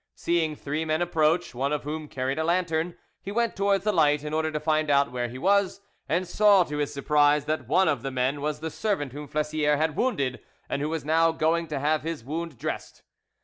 Seeing three men approach, one of whom carried a lantern, he went towards the light, in order to find out where he was, and saw, to his surprise, that one of the men was the servant whom Flessiere had wounded, and who was now going to have his wound dressed.